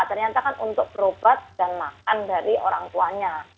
ternyata kan untuk berobat dan makan dari orang tuanya